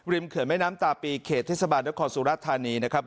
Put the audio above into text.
เขื่อนแม่น้ำตาปีเขตเทศบาลนครสุรธานีนะครับ